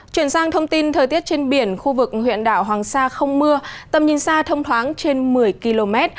chuyển sang thông tin thời tiết trên biển khu vực huyện đảo hoàng sa không mưa tầm nhìn xa thông thoáng trên một mươi km